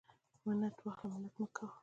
ـ منت واخله ولی منت مکوه.